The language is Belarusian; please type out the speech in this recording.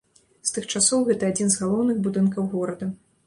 З тых часоў гэта адзін з галоўных будынкаў горада.